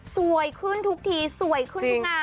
สวยขึ้นทุกทีสวยขึ้นทุกงาน